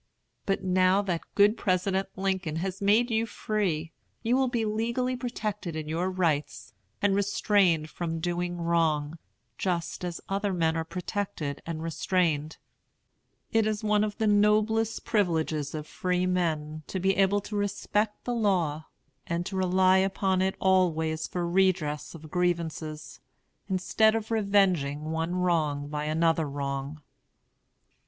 But now that good President Lincoln has made you free, you will be legally protected in your rights and restrained from doing wrong, just as other men are protected and restrained. It is one of the noblest privileges of freemen to be able to respect the law, and to rely upon it always for redress of grievances, instead of revenging one wrong by another wrong.